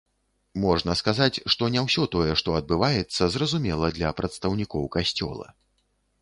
Можна сказаць, што не ўсё тое, што адбываецца, зразумела для прадстаўнікоў касцёла.